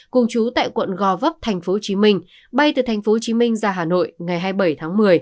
cùng chú tại quận gò vấp thành phố hồ chí minh bay từ thành phố hồ chí minh ra hà nội ngày hai mươi bảy tháng một mươi